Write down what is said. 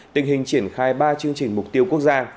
tình hình triển khai ba chương trình mục tiêu quốc gia